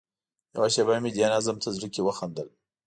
یوه شېبه مې دې نظم ته زړه کې وخندل.